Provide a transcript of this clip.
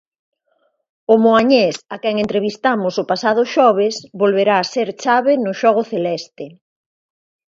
O moañés, a quen entrevistamos o pasado xoves, volverá ser chave no xogo celeste.